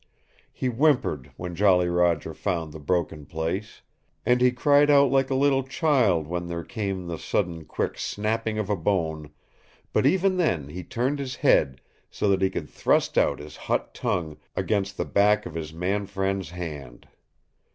He whimpered when Jolly Roger found the broken place, and he cried out like a little child when there came the sudden quick snapping of a bone but even then he turned his head so that he could thrust out his hot tongue against the back of his man friend's hand.